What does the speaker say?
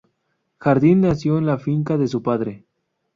Jardín nació en la finca de su padre.